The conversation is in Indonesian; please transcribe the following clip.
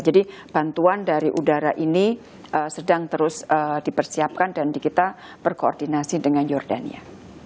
jadi bantuan dari udara ini sedang terus dipersiapkan dan kita berkoordinasi dengan jordania